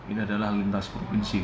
ini adalah lintas provinsi